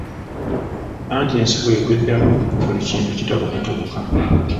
Anti ensi bw’egwa eddalu buli kintu kitabukatabuka.